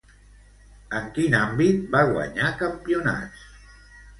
En quin àmbit va guanyar campionats?